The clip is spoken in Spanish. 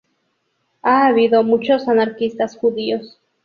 Ha habido muchos anarquistas judíos.